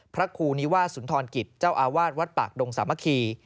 พระครูนิวาสุนทรกิจเจ้าอาวาสวัดปากดงสามัคคี